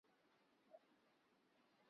另一方面另行谋职